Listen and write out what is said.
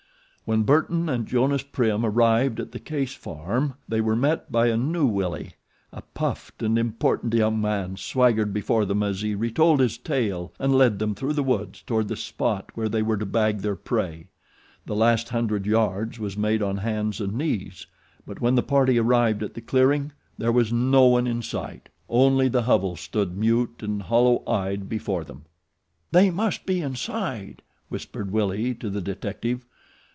When Burton and Jonas Prim arrived at the Case farm they were met by a new Willie. A puffed and important young man swaggered before them as he retold his tale and led them through the woods toward the spot where they were to bag their prey. The last hundred yards was made on hands and knees; but when the party arrived at the clearing there was no one in sight, only the hovel stood mute and hollow eyed before them. "They must be inside," whispered Willie to the detective.